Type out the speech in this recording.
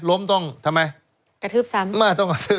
ล้มต้องทำไม